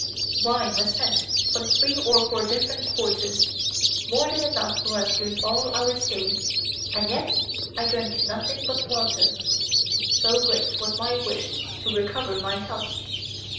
Wine was sent from three or four different quarters, more than enough for us during all our stay, and yet I drank nothing but water, so great was my wish to recover my health.